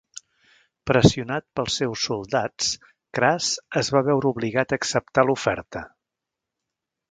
Pressionat pels seus soldats Cras es va veure obligat a acceptar l'oferta.